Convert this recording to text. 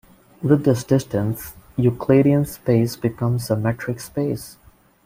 With this distance, Euclidean space becomes a metric space.